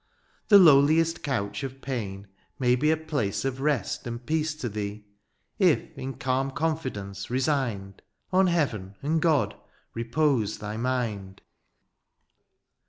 The lowUest couch of pain may be A place of rest and peace to thee^ If, in calm confidence resigned^ On heaven and God repose thy mind.